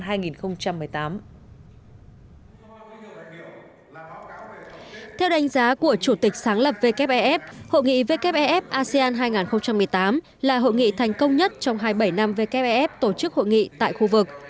theo đánh giá của chủ tịch sáng lập wef hội nghị wfef asean hai nghìn một mươi tám là hội nghị thành công nhất trong hai mươi bảy năm wfef tổ chức hội nghị tại khu vực